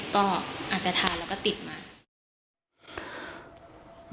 ก็อาจจะทานแล้วก็ติดมา